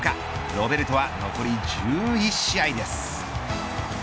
ロベルトは残り１１試合です。